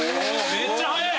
めっちゃ速え！